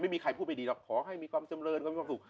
ไม่มีใครพูดไม่ดีเราขอให้มีความเจ้ำเรินความสุข